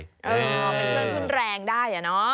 เป็นเครื่องทุนแรงได้อ่ะเนอะ